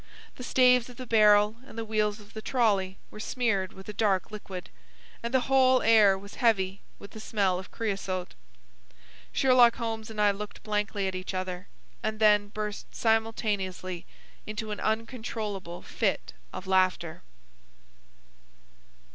The staves of the barrel and the wheels of the trolley were smeared with a dark liquid, and the whole air was heavy with the smell of creasote. Sherlock Holmes and I looked blankly at each other, and then burst simultaneously into an uncontrollable fit of laughter.